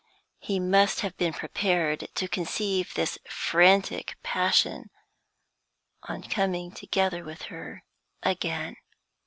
He must have been prepared to conceive this frantic passion on coming together with her again.